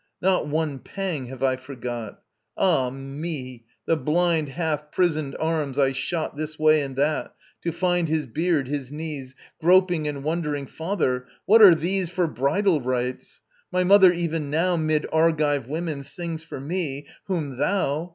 ... Not one pang have I forgot. Ah me, the blind half prisoned arms I shot This way and that, to find his beard, his knees, Groping and wondering: "Father, what are these For bridal rites? My mother even now Mid Argive women sings for me, whom thou